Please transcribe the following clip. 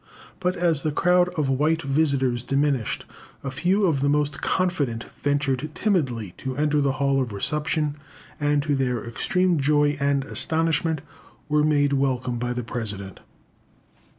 But as the crowd of white visitors diminished, a few of the most confident ventured timidly to enter the hall of reception, and, to their extreme joy and astonishment, were made welcome by the President.